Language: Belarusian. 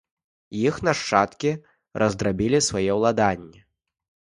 Іх нашчадкі раздрабілі свае ўладанні.